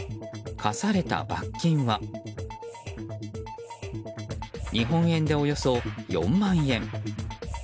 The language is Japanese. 科された罰金は日本円でおよそ４万円。